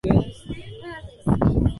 bea wa rais wa chadema dokta wilprod slaah